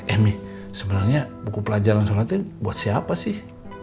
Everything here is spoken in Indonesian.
emi sebenarnya buku pelajaran sholat itu buat siapa sih